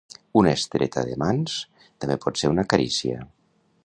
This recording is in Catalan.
Una estreta de mans també pot ser una carícia.